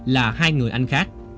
là hai người anh khác